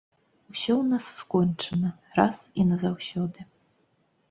Усё ў нас скончана, раз і назаўсёды!